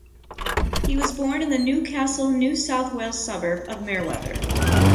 He was born in the Newcastle, New South Wales suburb of Merewether.